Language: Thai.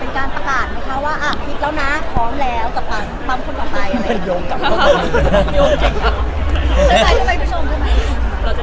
เป็นการประกาสนะคะว่าอ่ะฮิตแล้วน่ะพร้อมแล้วกับป๊ามคนต่อไปอะไรอย่างนั้น